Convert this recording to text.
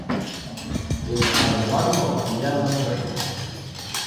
És a llevant de la Collada de Rius.